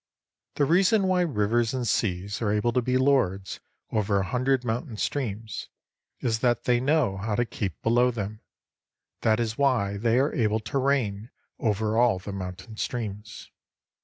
The reason why rivers and seas are able to be lords over a hundred mountain streams, is that they know how to keep below them. That is why they are able to reign over all the mountain streams.